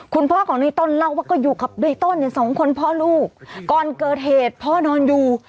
คุณพ่อของในต้นเล่าว่าก็อยู่กับในต้นเนี่ยสองคนพ่อลูกก่อนเกิดเหตุพ่อนอนอยู่